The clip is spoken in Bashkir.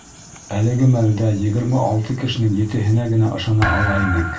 Әлеге мәлдә егерме алты кешенең етеһенә генә ышана ала инек.